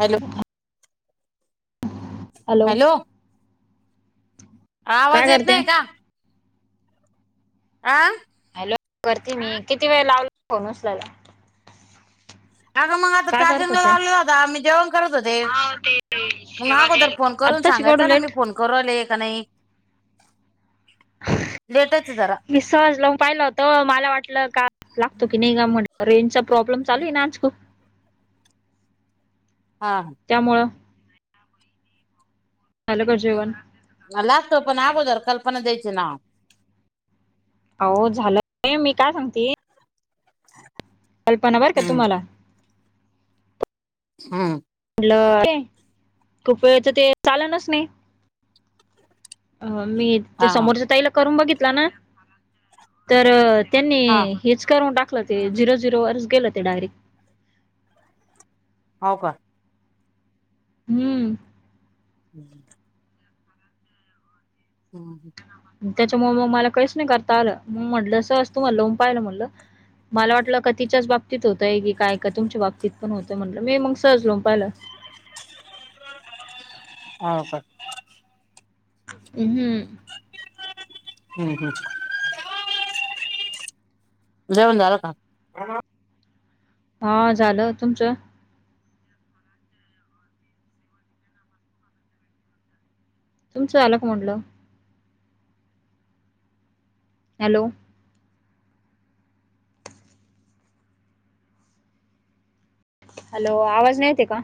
Hello. Hello. काय आवाज येत करते नाही का? आं. हॅलो करते मी किती वेळ लावला फोन उचलायला. अगं मग आता काय करत चार्जिग होत्या चालावलेला होता मी जेवण करत होते. मग अगोदर फोन करून आत्ताच केवढं सांगायचां ना मी लेट फोन करवले का नाही लेटच हेचं जरा मी सहज लावून पाहिलं होत, मला वाटलं का लागतो की नाही का म्हण रेंजचा प्रॉब्लेम चालू आहे ना आज खूप हां. त्यामुळं. झालं का जेवण. लागतो पण आगोदर कल्पना द्यायची ना. अहो झालं मी काय म्हणती. कल्पना बरं का हम्म तुम्हाला. हं. म्हटलं ते खूप वेळच ते चालनच नाही. अ मी ते हा समोरच्या ताईला करून बघितला ना, तर त्यांनी हा हेच करून टाकलं ते झिरो झिरोवर गेलं ते डायरेक्ट. हो का. हम्म. हम्. हम् ह. त्याच्यामुळे मग मला काहीच नाही आलं करता मग म्हटलं तुम्हाला लावून पाहू म्हटलं. मला वाटलं का तिच्याच बाबतीत होतंय की काय, का तुमच्या बाबतीत पण होतं म्हटलं मी मग सहज लावून पाहिलं. हो का. हम्म. हम्म हम् जेवण झालं का? हा झालं तुमचं. तुमचं आलं का म्हणटलं. हॅलो. हॅलो आवाज नाही येते का.